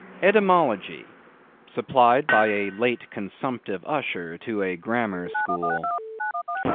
ETYMOLOGY. (Supplied by a Late Consumptive Usher to a Grammar School.)